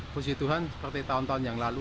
pusi tuhan seperti tahun tahun yang lalu